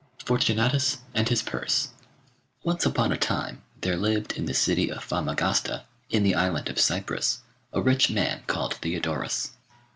Fortunatus and His Purse Once upon a time there lived in the city of Famagosta, in the island of Cyprus, a rich man called Theodorus.